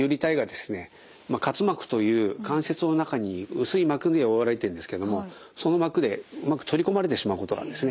滑膜という関節の中に薄い膜に覆われているんですけどもその膜でうまく取り込まれてしまうことがあるんですね。